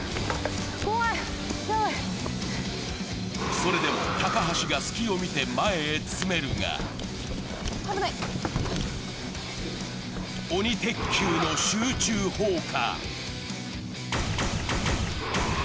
それでも高橋が隙を見て前へ詰めるが鬼鉄球の集中砲火。